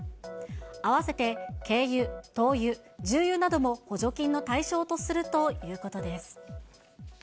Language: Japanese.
併せて、軽油、灯油、重油なども補助金の対象とするということです。